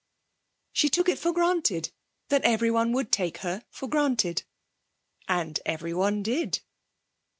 She took it for granted that everyone would take her for granted and everyone did.